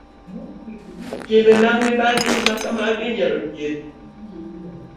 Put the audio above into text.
Timbe mag mibadhi ma kamago inyalo tiek